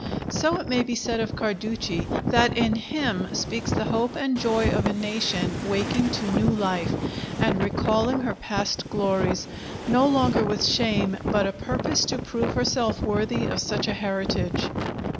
So it may be said of Carducci that in him speaks the hope and joy of a nation waking to new life, and recalling her past glories, no longer with shame but a purpose to prove herself worthy of such a heritage.